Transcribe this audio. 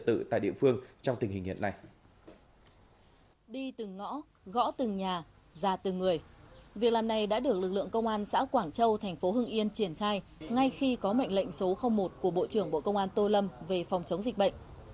lực lượng công an xã quảng châu thành phố hưng yên triển khai ngay khi có mệnh lệnh số một của bộ trưởng bộ công an tô lâm về phòng chống dịch bệnh